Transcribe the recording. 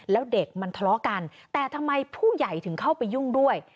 แล้วเด็กมันทะเลาะกันแต่ทำไมผู้ใหญ่ถึงเข้าไปยุ่งด้วย